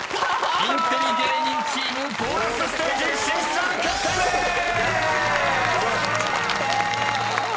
［インテリ芸人チームボーナスステージ進出決定でーす！］